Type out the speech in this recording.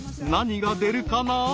何が出るかな？］